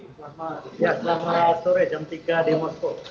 selamat sore jam tiga di moskow